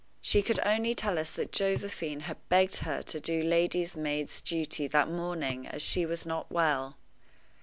She could only tell us that Josephine had begged her to do lady's maid's duty that morning, as she was not well.